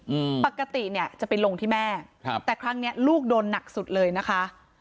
อืมปกติเนี้ยจะไปลงที่แม่ครับแต่ครั้งเนี้ยลูกโดนหนักสุดเลยนะคะ